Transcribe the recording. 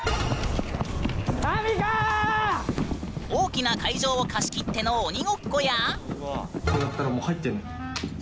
大きな会場を貸し切っての鬼ごっこや。